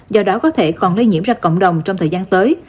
do đó có thể còn lây nhiễm ra cộng đồng trong thời gian tới